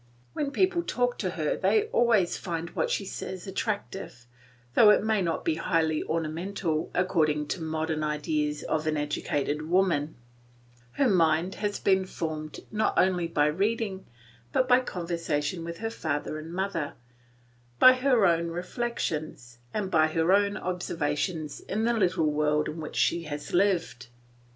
When people talk to her they always find what she says attractive, though it may not be highly ornamental according to modern ideas of an educated woman; her mind has been formed not only by reading, but by conversation with her father and mother, by her own reflections, and by her own observations in the little world in which she has lived.